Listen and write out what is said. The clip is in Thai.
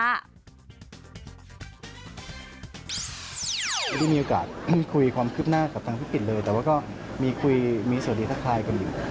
ไม่ได้มีโอกาสคุยความคืบหน้ากับทางธุรกิจเลยแต่ว่าก็มีคุยมีสวัสดีทักทายกันอยู่